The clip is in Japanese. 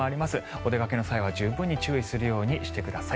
お出かけの際は十分に注意するようにしてください。